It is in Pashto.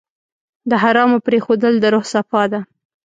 د حرامو پرېښودل د روح صفا ده.